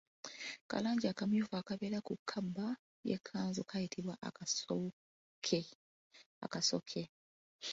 Kalangi akamyufu akabeera ku kabba y'ekkanzu kayitibwa akasoke.